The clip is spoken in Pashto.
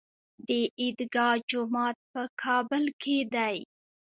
د عیدګاه جومات په کابل کې دی